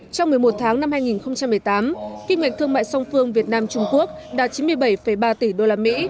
trong một mươi một tháng năm hai nghìn một mươi tám kinh ngạch thương mại song phương việt nam trung quốc đạt chín mươi bảy ba tỷ usd